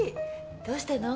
どうしたの？